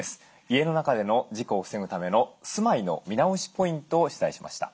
家の中での事故を防ぐための住まいの見直しポイントを取材しました。